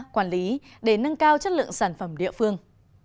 quản lý để nâng cao chất lượng sản phẩm địa phương